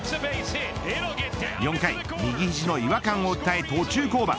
４回、右ひじの違和感を訴え途中降板。